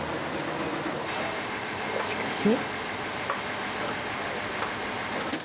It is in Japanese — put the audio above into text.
しかし？